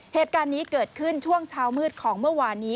เหตุการณ์นี้เกิดขึ้นช่วงเช้ามืดของเมื่อวานนี้